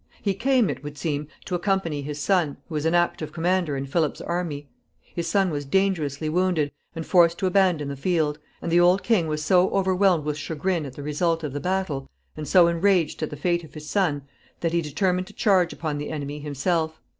He came, it would seem, to accompany his son, who was an active commander in Philip's army. His son was dangerously wounded, and forced to abandon the field, and the old king was so overwhelmed with chagrin at the result of the battle, and so enraged at the fate of his son, that he determined to charge upon the enemy himself.